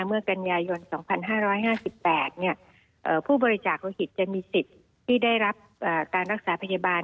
เมื่อกันยายน๒๕๕๘ผู้บริจาคโลหิตจะมีสิทธิ์ที่ได้รับการรักษาพยาบาล